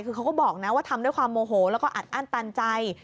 คือเขาก็บอกนะว่าทำด้วยความโมโหแล้วก็อัดอั้นตันใจ